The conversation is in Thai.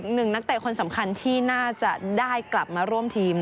หนึ่งนักเตะคนสำคัญที่น่าจะได้กลับมาร่วมทีม